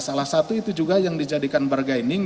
salah satu itu juga yang dijadikan bargaining